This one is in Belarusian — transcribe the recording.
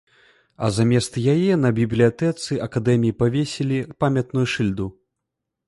А замест яе на бібліятэцы акадэміі павесілі памятную шыльду.